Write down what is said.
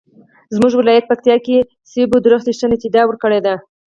زمونږ ولایت پکتیکا کې مڼو ونو ښه نتیجه ورکړې ده